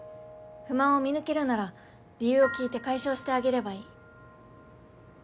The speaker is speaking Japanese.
不満を見抜けるなら理由を聞いて解消してあげればいい。